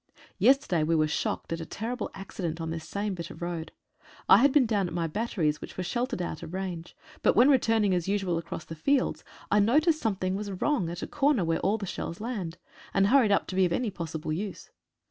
Yesterday we were shocked at a terrible accident on this same bit of road. I had been down at my batteries, which were sheltered out of range, but when returning as usual across the fields, I noticed something was wrong at the corner where all the shells land, and hurried up to be of any possible use.